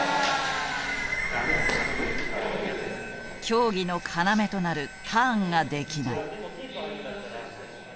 競技の要となるターンができない。